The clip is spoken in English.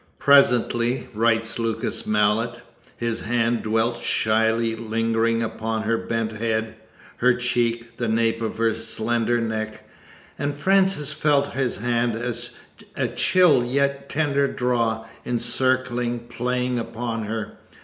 "Presently," writes Lucas Malet, "his hand dwelt shyly, lingering upon her bent head, her cheek, the nape of her slender neck. And Frances felt his hand as a chill yet tender draw, encircling, playing upon her.